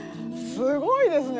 すごいですね。